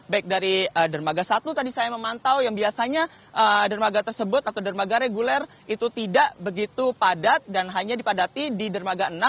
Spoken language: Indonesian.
baik dari dermaga satu tadi saya memantau yang biasanya dermaga tersebut atau dermaga reguler itu tidak begitu padat dan hanya dipadati di dermaga enam